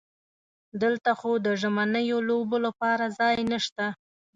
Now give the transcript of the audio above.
دلته خو د ژمنیو لوبو لپاره ځای نشته.